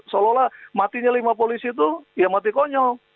seolah olah matinya lima polisi itu ya mati konyol